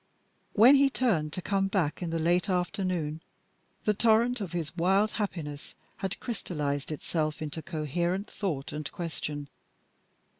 When he turned to come back in the late afternoon, the torrent of his wild happiness had crystallised itself into coherent thought and question.